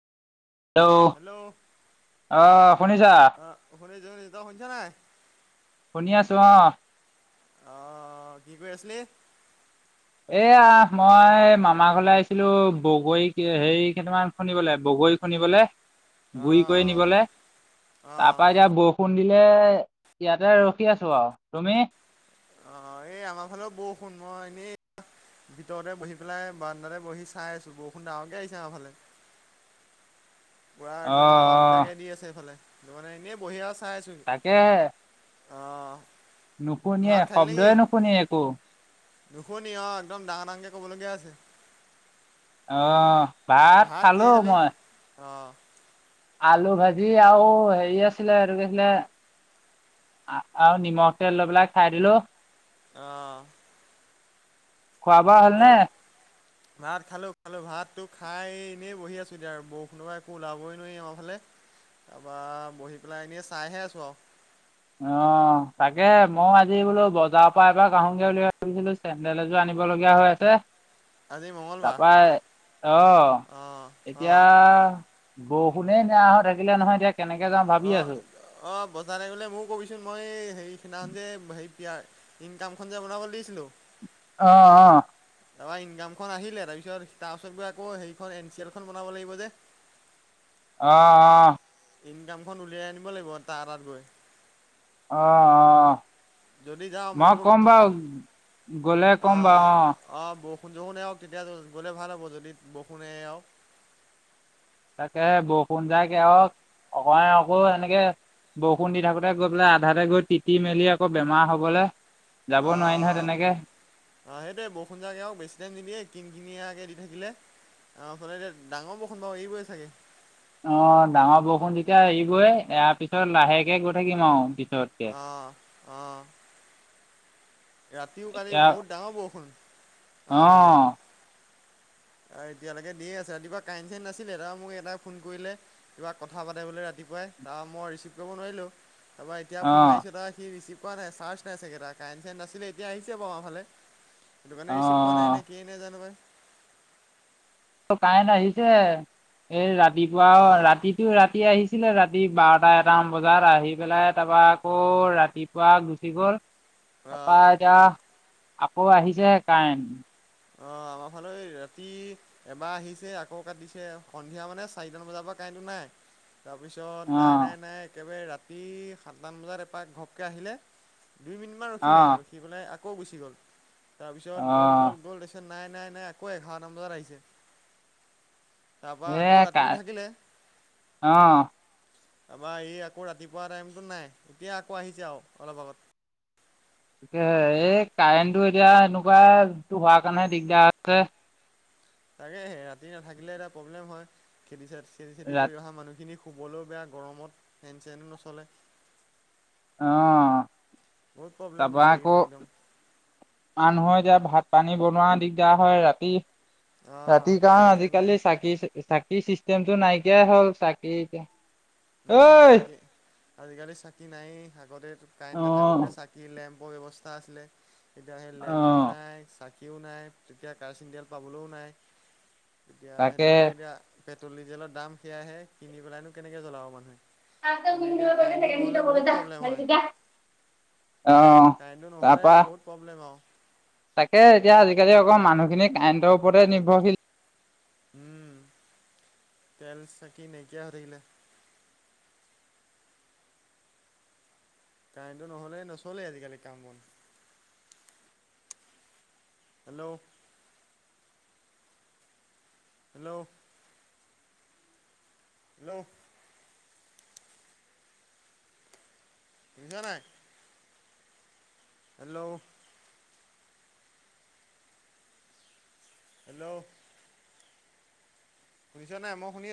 Hello আহ শুনিছা আহ হনে জিতা হৈছ নাই শুনি আছো অ আহ কি কৈ আছিলি এয়া মই মামাৰ ঘৰলৈ আহিছিলো বগৰী হেৰি কেইটামান শুনিবলৈ বগৰী শুনিবলৈ অ গুড়ি কৰি নিবলৈ অ তাপা এতিয়া বৰষুণ দিলে ইয়াতে ৰখি আছো আৰু তুমি অ এই আমাৰ ফালেও বৰষুণ মই এনেই ভিতৰতে বহি পেলাই বাৰান্দাতে বহি চাই আছো বৰষুণ ডাঙৰকে আহিছে আমাৰফালে পুৰা অ একদম দৰা অ পিটাকে দি আছে এইফালে ত মানে এনে বহিয় আছে তাকেহে অ নুশুনিয়ে ভাত খালি নেকি শব্দয়ে নুশুনিয়ে একো নুশুনি অ একদম ডাঙৰ ডাঙকে কবলগীয়া আছে আহ ভাত কিহে খালো খালি মই অ আলু ভাজি আৰু হেৰি আছিলে আৰু এতো কৈছিলে আচাৰ আৰু নিমখ তেল লৈ পেলাই খাই দিলো অ খোৱা বোৱা হ'ল নে ভাত খালো খালো ভাতো খাই এনেই বহি আছো এতিয়া আৰু বৰষুণৰপা একো ওলাবই নোৱাৰি আমাৰ ফালে তাৰপৰা বহি পেলাই এনেই চাইহে আছো আৰু অ তাকে মই আজি বোলো বজাৰৰ পৰা এবাৰ আহোগৈ বুলি ভাবিছিলো চেন্দেল এযোৰ আনি আনিব লগীয়া হয় আছে আজি মঙলবাৰ তাৰপা জ্বৰ অঁ এতিয়া অঁ বৰষুণেই নেৰা হৈ থাকিলে নহয় এতিয়া কেনেকে যাওঁ ভাবি আছো লে মোৰ কবিচোন মই হেৰি সিদিনাখন যে ইনকামখনন যে বনাবলৈ দিছিলো অ অ তাৰপৰা ইনকামখন আহিলে তাৰপিছত তাৰ পাছত গৈ আকৌ সেইখন এন চি এলখন বনাব লাগিব যে অ অহ ইনকামখন উলিয়াই আনিব লাগিব তা তাত গৈ অ', অ' যদি যাওঁ মই মোকো কম কবি বা গ'লে কম বাৰু অ'। সুধচুন আহওক তেতিয়া গ'লে ভাল হ'ব যদি বৰষুণে আহওক তাকে বৰষুণ যায়কে আহক অকাই আকৌ এনেকে বৰষুণ দি থাকোতে গৈ পেলাই আধাতে গৈ তিতি মেলি আকৌ বেমাৰ হবলে যাব নোৱাৰি নহয় তেনেকে। আ, সেইটয়ে বৰষুণ জাকেক বেছি টাইম নিদিয়ে, কিন কিনিয়াকে দি থাকিলে আচল এতিয়া ডাঙৰ বৰষুণ এৰিবই চাগে। অ' ডাঙৰ বৰষুণ তেতিয়া এৰিবই, ইয়াৰ পিছত লাহেকে গৈ থাকিম আৰু। পিছতকে অ', অ'। ৰাতিও কালি এতিয়া বহুত ডাঙৰ বৰষুণ আমাৰ ফালে। অঁ আৰু এতিয়ালৈকে দিয়ে আছে ৰাতিপুৱা কাইণ্ট চাইণ্ট নাছিলে। তা মোক এটাই ফোন কৰিলে কিবা কথা পাতে বোলে ৰাতি সিবয়ে তা মই ৰিচিভ কৰিব নোৱাৰিলো, তাৰপা এতিয়া ফোন অঁ মাৰিছে সি ৰিচি কোৱা নাই। চাৰ্জ নাই চাগে তাৰ। কাৰেণ্ট চাৰেণ্ট নাছিলে, এতিয়া আহিছে আমাৰ ফালে। হেইটো কাৰনে ৰিচিভ পোৱা নাই নে অঁ কিজানো বাই। ত' কাৰেণ্ট আহিছে, এই ৰাতিপুৱা অ' ৰাতিটো ৰাতি আহিছে। ছিলে ৰাতি বাৰটা এটামান বজাত, আহি পেলাই তাৰপা আকৌ ৰাতিপুৱা গুচি গ'ল। অ', তাৰাপা এতিয়া আকৌ আহিছে কাৰেণ্ট। অ' আমাৰ ফালে এ, ৰাতি এবাৰ আহিছে আকৌ কাটিছে, সন্ধিয়া মানে চাৰিটান বজাৰ পৰা কাৰেণ্টো নাই। তাৰপিছত নাই অঁ নাই নাই, একেবাৰে ৰাতি সাতটামান বজাত এপাক ঘপকৈ আহিলে। দুই মিনিটমান ৰখিলে, অঁ ৰখি পেলাই আকৌ গুচি গ'ল, তাৰপিছত গ'ল অঁ গ'ল তাৰ পিছত নাই, নাই, নাই আকৌ এঘাৰটামান বজাত আহিছে। তাৰপৰা আকৌ এয়া কা ৰাতিটো থাকিলে অ'। আমাৰ এই আকৌ ৰাতিপুৱা টাইমটোত নাই। এতিয়া আকৌ আহিছে আৰু অলপ আগত। তে, এই কাৰেণ্টটো এতিয়া এনেকুৱাটো হোৱাৰ কাৰণে দিগদাৰ হৈছে। তাকেহে। ৰাতি নাথাকিলে এটা প্ৰব্লেম হয়। খেতি খেতি-চেতি ৰাতি কৰি অহা মানুহখিনিৰ শুবলৈও বেয়া, গৰমত ফেন চেনো নচলে। অ'। বহুত প্ৰব্লেম দিছে এইকেইদিন একদম। নহয়, এতিয়া ভাত পানী বনোৱা দিগদাৰ হয় ৰাতি। অঁ ৰাতিৰ কাৰনে কাৰেণ্ট আজি চাৰেণ্ট নাই কালি চাকি, চ-চাকি চাকি চিষ্টেমটো নাইকিয়াই হ'ল, চাকি এতিয়া। উম, ঐ চাকি আজি কালি চাকি নায়েই। আগতে কাৰেণ্ট অ নাথাকিলে চাকি, লেম্প বৰ ব্যৱস্থা আছিলে, এতিয়া সেই অ লেম্বু নাই, চা কিও নাই, এতিয়া কেৰাচিন তেল পাবলৈও নাই। এতিয়া সেইটো তাকে কাৰণে এতিয়া পেট্ৰ'ল, ডিজেলৰ দাম সেয়াহে, কিনি পেলাইনো কেনেকৈ জ্বলাব মানুহে। আকৌ এনে এতিয়া কাৰেণ্টটো নহ'লে বহুত প্ৰব্লেম হয় [unintelligible] কাৰেণ্টটো নহ'লে বহুত প্ৰব্লেম আৰু। তাকে এতিয়া আজি কালি আকৌ মানুহখিনি কৰেণ্টৰ ওপৰতে নিৰ্ভৰশীল। উম, তেল চাকি নাইকিয়া হৈ থাকিলে। কাৰেণ্টটো নহ'লে নচলেই আজিকালি কামবন। হেল্ল'। হেল্ল'। হেল্ল'। শুনিছা নে নাই? হেল্ল'। হেল্ল'। শুনিছানে নাই? মই শুনি